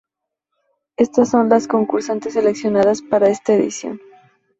Estas son las concursantes seleccionadas para esta edición.